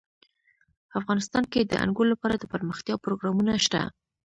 افغانستان کې د انګور لپاره دپرمختیا پروګرامونه شته.